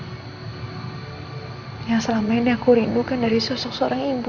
hai yang selama ini aku rindukan dari sosok seorang ibu